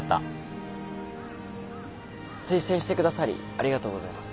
推薦してくださりありがとうございます。